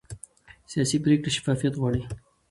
سیاسي پرېکړې شفافیت غواړي